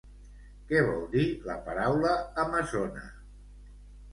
Què vol dir la paraula amazona?